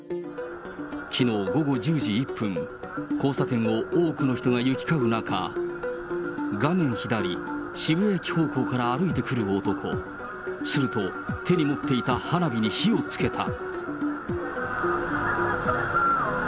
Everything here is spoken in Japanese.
きのう午後１０時１分、交差点を多くの人が行き交う中、画面左、渋谷駅方向から歩いてくる男、すると、手に持っていた花火に火をつけた。